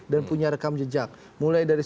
dan punya rekam jejak mulai dari